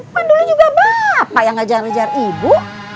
kan dulu juga bapak yang ngajar ngajar ibu